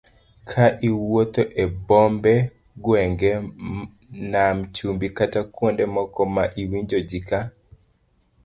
Ka iwuotho e bombe, gwenge, nam chumbi kata kuonde moko ma iwinjo ji ka